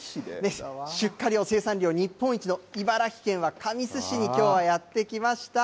出荷量、生産量日本一の茨城県は神栖市にきょうはやって来ました。